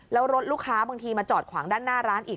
แล้วรถลูกค้าบางทีมาจอดขวางด้านหน้าร้านอีก